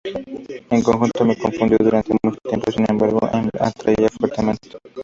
En conjunto me confundió durante mucho tiempo; sin embargo em atraía fuertemente.